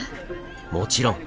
もちろん。